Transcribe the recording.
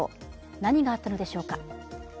何があったのでしょうか。